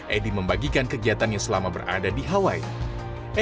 edi membagikan kegiatannya selama berada di hawaii